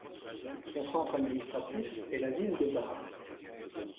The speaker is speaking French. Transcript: Son centre administratif est la ville de Bar.